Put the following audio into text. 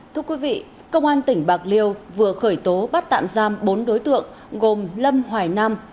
thưa quý vị công an tỉnh bạc liêu vừa khởi tố bắt tạm giam bốn đối tượng gồm lâm hoài nam